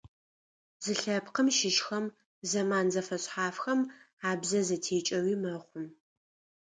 Зы лъэпкъым щыщхэм зэман зэфэшъхьафхэм абзэ зэтекӏэуи мэхъу.